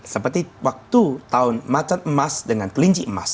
seperti waktu tahun macan emas dengan kelinci emas